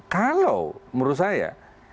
kalau menurut saya